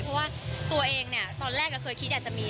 เพราะว่าตัวเองตอนแรกคือคิดอาจจะมี